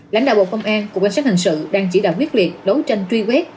lãnh đạo bộ công an cục cảnh sát hình sự đang chỉ đạo quyết liệt đấu tranh truy quét